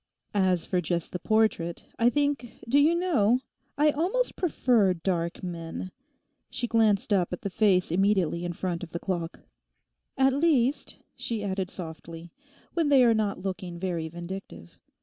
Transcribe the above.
As for just the portrait, I think, do you know, I almost prefer dark men'—she glanced up at the face immediately in front of the clock—'at least,' she added softly, 'when they are not looking very vindictive.